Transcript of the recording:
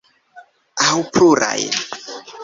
Aŭ plurajn?